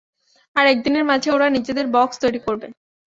আর একদিনের মাঝে ওরা নিজেদের বক্স তৈরি করবে।